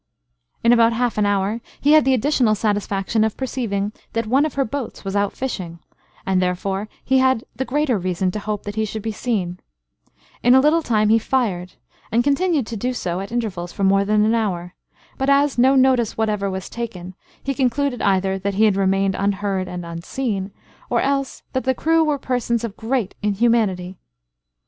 In about half an hour he had the additional satisfaction of perceiving that one of her boats was out fishing, and therefore he had the greater reason to hope that he should be seen: in a little time he fired, and continued to do so at intervals, for more than an hour; but as no notice whatever was taken, he concluded either that he remained unheard and unseen, or else that the crew were persons of great inhumanity.